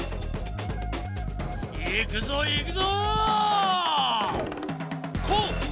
いくぞいくぞ！